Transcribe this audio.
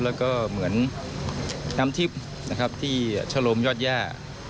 และก็เหมือนน้ำทิพย์ที่ชะลมยอดย่า